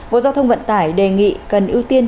bộ giao thông vận tải đề nghị cần ưu tiên